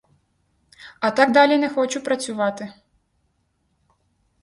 А так далі не хочу працювати.